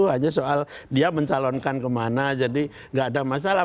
hanya soal dia mencalonkan kemana jadi nggak ada masalah